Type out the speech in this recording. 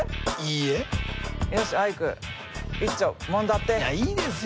いやいいですよ